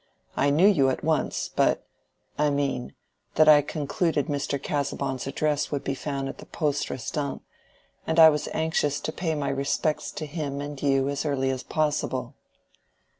"I knew you at once—but—I mean, that I concluded Mr. Casaubon's address would be found at the Poste Restante, and I was anxious to pay my respects to him and you as early as possible."